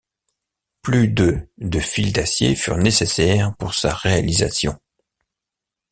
Plus de de fils d'acier furent nécessaires pour sa réalisation.